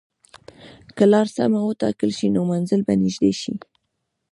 که لار سمه وټاکل شي، نو منزل به نږدې شي.